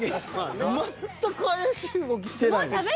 全く怪しい動きしてない。